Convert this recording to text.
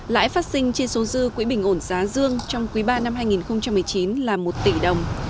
lãi phát sinh trên số dư quỹ bình ổn giá dương trong quý ba năm hai nghìn một mươi chín là một tỷ đồng